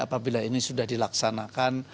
apabila ini sudah dilaksanakan